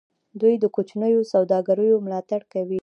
دوی د کوچنیو سوداګریو ملاتړ کوي.